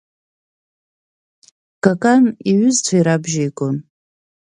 Какан иҩызцәа ирабжьеигон.